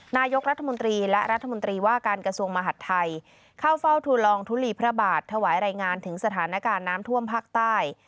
นายกรัฐมนตรีและรัฐมนตรีว่าการกระทรวงมหัฐไทยเข้าเฝ้าทุลองทุลีพระบาทถวายรายงานถึงสถานการณ์น้ำท่วมภาคใต้